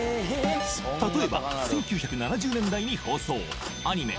例えば１９７０年代に放送アニメ